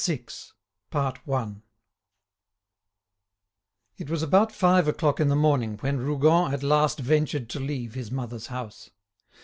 CHAPTER VI It was about five o'clock in the morning when Rougon at last ventured to leave his mother's house.